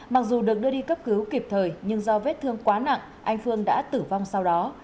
mặc dù được đưa đi cấp cứu kịp thời nhưng do vết thương quá nặng anh phương đã tử vong sau đó